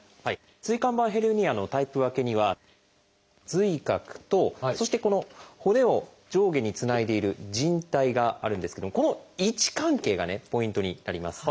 椎間板ヘルニアのタイプ分けには髄核とそしてこの骨を上下につないでいる靭帯があるんですけどもこの位置関係がねポイントになります。